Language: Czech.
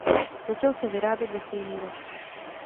Začal se vyrábět ve stejný rok.